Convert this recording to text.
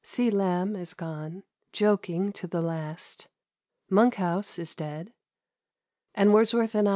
C. Lamb is gone, joking to the last. Monkhouse is dead, and Wordsworth 1818.